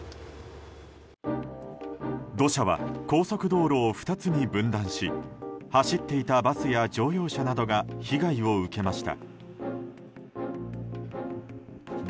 土砂は高速道路を２つに分断し走っていたバスや乗用車などが被害を受けました。